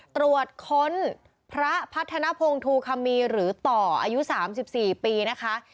ตรวจค้นพระพัฒนภงทูคัมมีหรือต่ออายุ๓๔ปีนะคะ